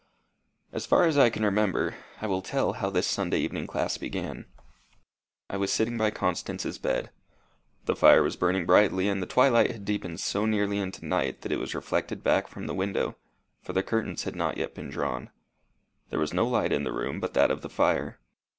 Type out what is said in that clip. As far as I can remember, I will tell how this Sunday evening class began. I was sitting by Constance's bed. The fire was burning brightly, and the twilight had deepened so nearly into night that it was reflected back from the window, for the curtains had not yet been drawn. There was no light in the room but that of the fire.